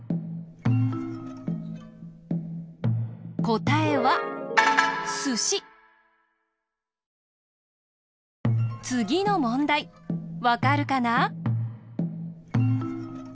こたえはつぎのもんだいわかるかな？